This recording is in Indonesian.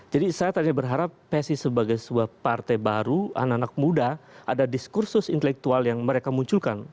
jadi saya tadi berharap psi sebagai sebuah partai baru anak anak muda ada diskursus intelektual yang mereka munculkan